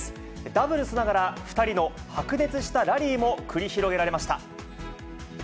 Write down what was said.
ダブルスながら、２人の白熱したラリーも繰り広げられました。